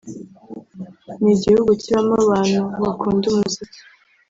ni igihugu kibamo abantu bakunda umuziki